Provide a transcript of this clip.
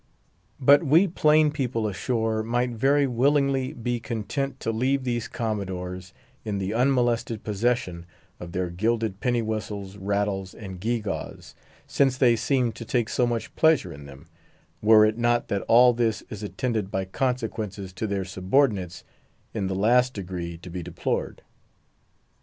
But we plain people ashore might very willingly be content to leave these commodores in the unmolested possession of their gilded penny whistles, rattles, and gewgaws, since they seem to take so much pleasure in them, were it not that all this is attended by consequences to their subordinates in the last degree to be deplored.